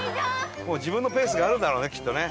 自分のペースがあるんだろうねきっとね。